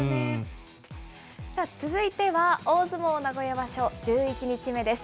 さあ続いては大相撲名古屋場所１１日目です。